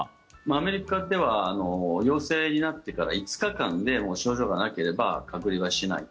アメリカでは陽性になってから５日間で症状がなければ隔離はしない。